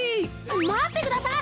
待ってください！